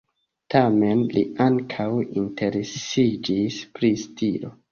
Tamen li ankaŭ interesiĝis pri stilo.